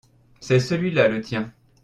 c'est celui-là le tien.